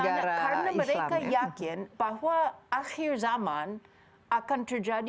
karena mereka yakin bahwa akhir zaman akan terjadi